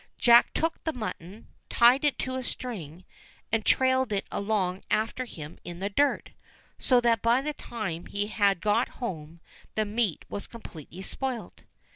Jack took the mutton, tied it to a string, and trailed it along after him in the dirt, so that by the time he had got home the meat was completely spoilt.